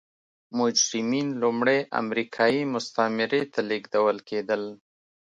مجرمین لومړی امریکايي مستعمرې ته لېږدول کېدل.